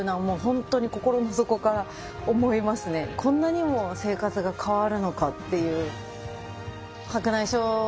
こんなにも生活が変わるのかっていう。